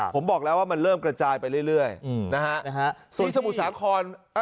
ผมบอกแล้วว่ามันเริ่มกระจายไปเรื่อยนะฮะ